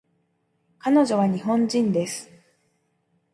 彼女は日本人です